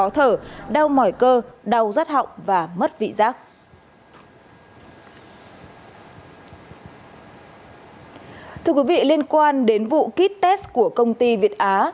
thưa quý vị liên quan đến vụ kit test của công ty việt á